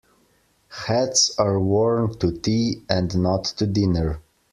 Hats are worn to tea and not to dinner.